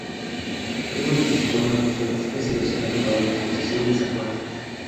Uno de sus poemas visuales es seleccionado para la exposición Desacuerdos.